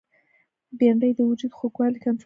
بېنډۍ د وجود خوږوالی کنټرولوي